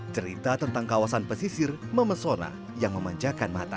cerita tentang kawasan pesisir memesona yang memanjakan mata